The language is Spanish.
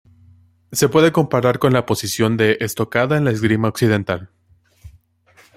Se puede comparar con la posición de estocada en la esgrima occidental.